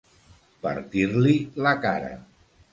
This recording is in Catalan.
Partir-li la cara.